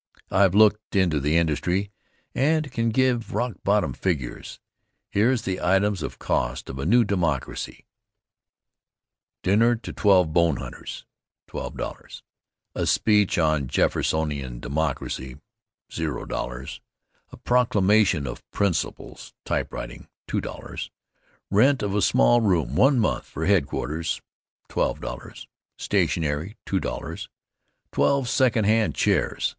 I've looked into the industry, and can give rock bottom figures. Here's the items of cost of a new "Democracy A dinner to twelve bone hunters $12.00 A speech on Jeffersonian Democracy 00.00 A proclamation of principles (typewriting) 2.00 Rent of a small room one month for headquarters 12.00 Stationery 2.00 Twelve secondhand chairs 6.